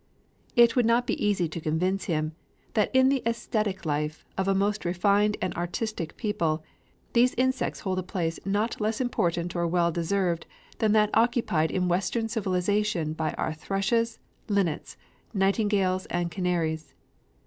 It would not be easy to convince him that in the æsthetic life of a most refined and artistic people, these insects hold a place not less important or well deserved than that occupied in Western civilization by our thrushes, linnets, nightingales and canaries.